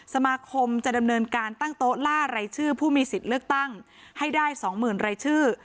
สมาคมจะดำเนินการตั้งโต๊ะล่ารายชื่อผู้มีสิทธิ์เลือกตั้งให้ได้๒๐๐๐รายชื่อ